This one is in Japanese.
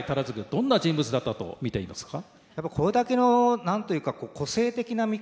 どんな人物だったと見ていますか？